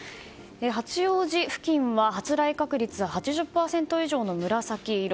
八王子付近は発雷確率８０％以上の紫色。